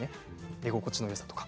居心地のよさとか。